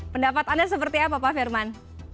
pendapat anda seperti apa pak firman